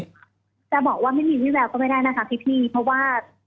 จะบอกว่าไม่มีวิแววก็ไม่ได้นะคะพี่เพราะว่า